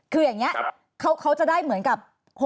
คืออย่างนี้เขาจะได้เหมือนกับ